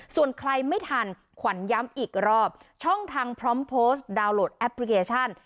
ส่วนใครไม่ทันขวัญย้ำอีกรอบช่องทางพร้อมโพสต์ดาวนโหลดแอปพลิเคชัน